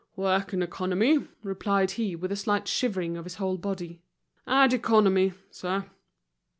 "Work and economy," replied he, with a slight shivering of his whole body. "Add economy, sir."